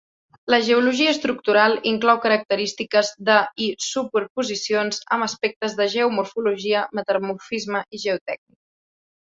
La geologia estructural inclou característiques de i superposicions amb aspectes de geomorfologia, metamorfisme i geotècnia.